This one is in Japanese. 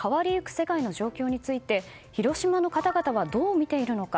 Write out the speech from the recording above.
世界の状況について広島の方々がどう見ているのか。